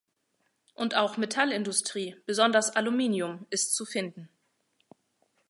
Und auch Metallindustrie, besonders Aluminium, ist zu finden.